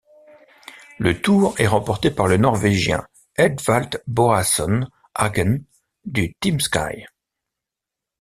Le Tour est remporté par le Norvégien Edvald Boasson Hagen, du Team Sky.